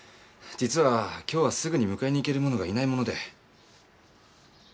実は今日はすぐに迎えに行ける者がいないもので。